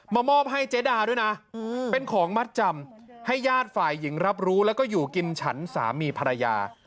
มอบให้เจ๊ดาด้วยนะเป็นของมัดจำให้ญาติฝ่ายหญิงรับรู้แล้วก็อยู่กินฉันสามีภรรยา